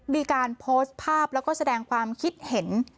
มีการโพสต์ภาพแล้วก็แสดงความคิดเห็น